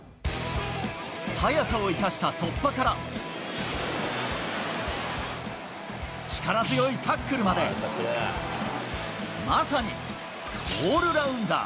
速さを生かした突破から力強いタックルまで、まさに、オールラウンダー。